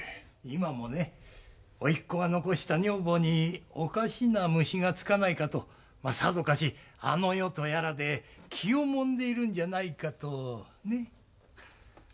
今もね甥っ子が残した女房におかしな虫がつかないかとさぞかしあの世とやらで気をもんでいるんじゃないかとね。